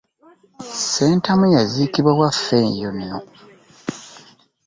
Ssentamu yaziikibwa waffw eyo nno.